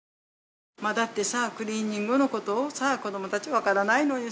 だってさクリーニングのことをさ子どもたちわからないのにさ